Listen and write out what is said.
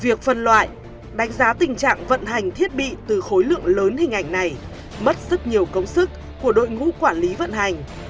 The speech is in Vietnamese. việc phân loại đánh giá tình trạng vận hành thiết bị từ khối lượng lớn hình ảnh này mất rất nhiều công sức của đội ngũ quản lý vận hành